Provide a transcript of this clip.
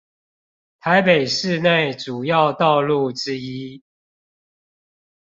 台北市內主要道路之一